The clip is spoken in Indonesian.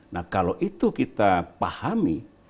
nah kalau itu kita pahami